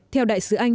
theo đại sứ anh